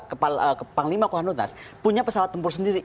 kepalanya kohanunas punya pesawat tempur sendiri